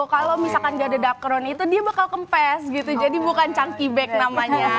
kalau misalkan jadi dakron itu dia bakal kempes gitu jadi bukan chany bag namanya